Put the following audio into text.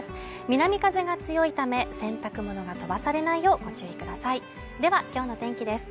南風が強いため洗濯物が飛ばされないようご注意くださいでは今日の天気です